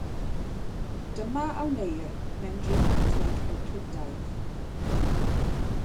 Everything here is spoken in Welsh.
Dyma a wneir mewn geometreg Ewclidaidd.